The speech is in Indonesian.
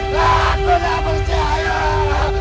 kau tak mau lewati